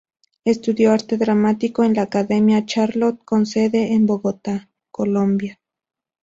Estudió arte dramático en la "Academia Charlot", con sede en Bogotá, Colombia.